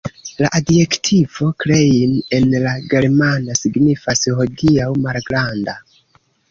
La adjektivo "klein" en la germana signifas hodiaŭ "malgranda".